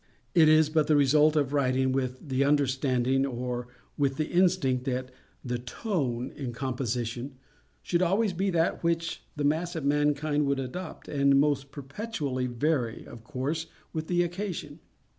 It is but the result of writing with the understanding, or with the instinct, that _the tone, _in composition, should always be that which the mass of mankind would adopt—and must perpetually vary, of course, with the occasion.